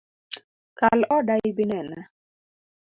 Kal oda ibinena